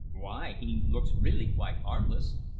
"Why? He looks really quite harmless.